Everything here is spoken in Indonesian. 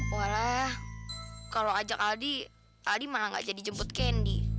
walah kalau ajak aldi aldi malah nggak jadi jemput candy